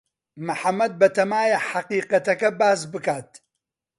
محەمەد بەتەمایە حەقیقەتەکە باس بکات.